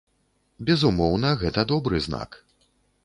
Безумоўна, гэта добры знак.